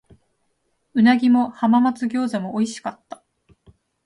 鰻も浜松餃子も美味しかった。